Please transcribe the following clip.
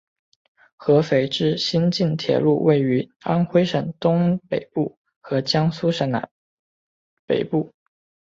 合肥至新沂铁路位于安徽省东北部和江苏省北部。